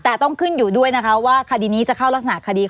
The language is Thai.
แต่ต้องขึ้นอยู่ด้วยนะคะว่าคดีนี้จะเข้ารักษณะคดี